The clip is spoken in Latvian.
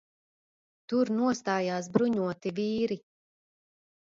Tur nostājās bruņoti vīri.